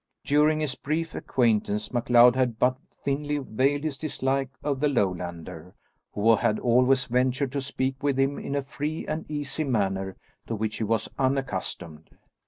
During his brief acquaintance MacLeod had but thinly veiled his dislike of the Lowlander, who had always ventured to speak with him in a free and easy manner to which he was unaccustomed.